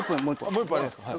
もう１本ありますか。